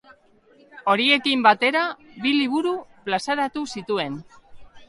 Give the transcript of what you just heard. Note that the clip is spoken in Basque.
Horiekin batera bi liburu plazaratu zituen.